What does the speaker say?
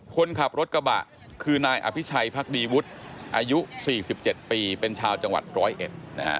คนขับรถกระบะคือนายอภิชัยพักดีวุฒิอายุ๔๗ปีเป็นชาวจังหวัดร้อยเอ็ดนะฮะ